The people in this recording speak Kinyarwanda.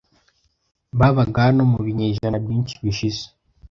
babaga hano mu binyejana byinshi bishize.